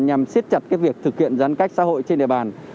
nhằm siết chặt việc thực hiện giãn cách xã hội trên địa bàn